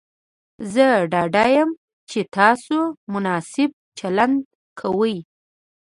زه ډاډه یم چې تاسو مناسب چلند کوئ.